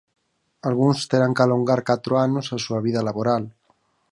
Algúns terán que alongar catro anos a súa vida laboral.